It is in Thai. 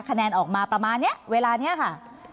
คะแนนออกมาประมาณนี้เวลานี้ค่ะ